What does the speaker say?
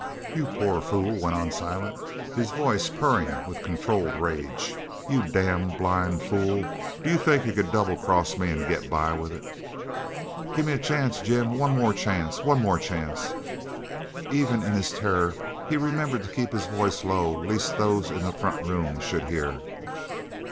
"You poor fool," went on Silent, his voice purring with controlled rage. "You damn blind fool! D'you think you could double cross me an' get by with it?" "Give me a chance, Jim. One more chance, one more chance!" Even in his terror he remembered to keep his voice low lest those in the front room should hear.